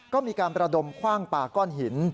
ก็มีการประดมคว่างปลาก้อนหิน